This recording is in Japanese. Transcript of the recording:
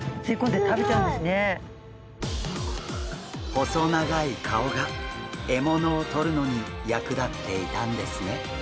細長い顔が獲物をとるのに役立っていたんですね。